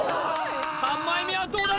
３枚目はどうだ？